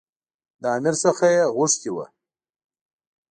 له امیر څخه یې غوښتي وو.